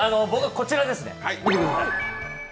僕、こちらですね。